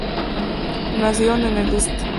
Nacieron en el St.